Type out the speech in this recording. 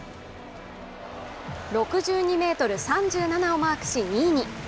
６２ｍ３７をマークし、２位に。